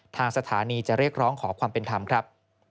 ทางสถานีจะเรียกร้องขอความเป็นธรรมครับ